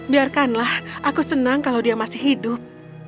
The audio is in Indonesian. biarkanlah aku senang kalau dia masih hidup